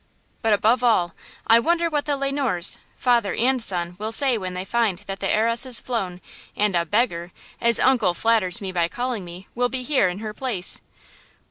"But above all, I wonder what the Le Noirs, father and son, will say when they find that the heiress is flown and a 'beggar,' as uncle flatters me by calling me, will be here in her place!